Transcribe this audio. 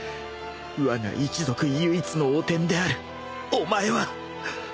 わが一族唯一の汚点であるお前は！